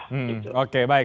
hmm oke baik